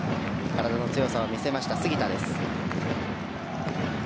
体の強さを見せました、杉田。